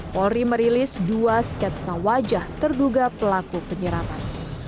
polri merilis dua sketsa wajah terduga pelaku penyerangan